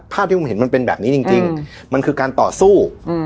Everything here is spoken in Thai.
ภาพที่ผมเห็นมันเป็นแบบนี้จริงมันคือการต่อสู้